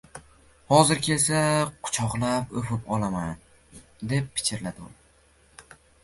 «Hozir kelsa… quchoqlab oʼpib-oʼpib olaman!» deb pichirladi u